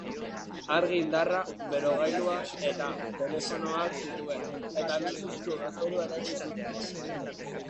Argi-indarra, berogailua eta telefonoak zituen eta luxuzko gaztelua eraiki zuten.